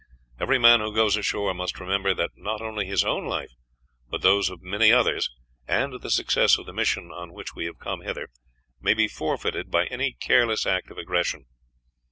Every man who goes ashore must remember that not only his own life, but those of many others, and the success of the mission on which we have come hither, may be forfeited by any careless act of aggression.